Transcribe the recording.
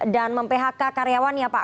dan mem phk karyawan ya pak